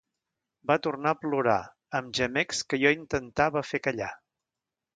Va tornar a plorar, amb gemecs que jo intentava fer callar.